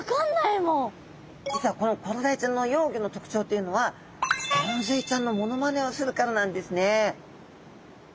実はこのコロダイちゃんの幼魚の特徴というのはゴンズイちゃんのモノマネをするからなんですね。